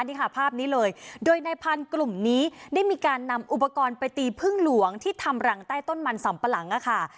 นี่ค่ะภาพนี้เลยโดยนายพันธุ์กลุ่มนี้ได้มีการนำอุปกรณ์ไปตีพึ่งหลวงที่ทำรังใต้ต้นมันสำปะหลังค่ะ